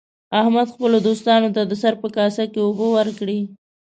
احمد خپلو دوښمنانو ته د سره په کاسه کې اوبه ورکړې.